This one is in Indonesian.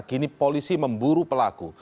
kini polisi memburu pelaku